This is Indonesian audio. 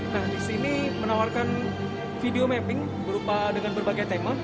nah di sini menawarkan video mapping berupa dengan berbagai tema